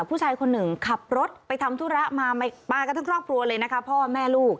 ผู้ชายคนหนึ่งขับรถไปทำธุระมากันทั้งครอบครัวเลยนะคะพ่อแม่ลูก